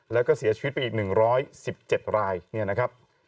แล้วก็เสียชีวิตไปอีก๑๑๗รายเนี่ยนะครับ